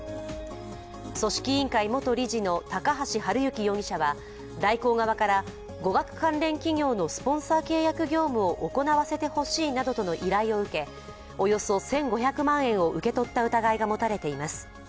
組織委員会元理事の高橋治之容疑者は大広側から、語学関連企業のスポンサー契約業務を行わせてほしいなどとの依頼を受けおよそ１５００万円を受け取った疑いが持たれています。